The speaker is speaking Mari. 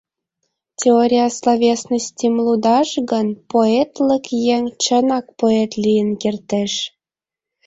«Теория словесности»-м лудаш гын, поэтлык еҥ чынак поэт лийын кертеш.